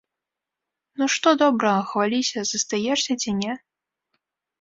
Ну, што добрага, хваліся, застаешся ці не?